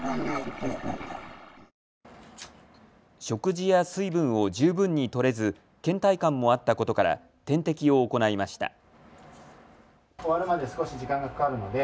食事や水分を十分にとれずけん怠感もあったことから点滴を行いました。